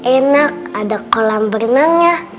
enak ada kolam berenangnya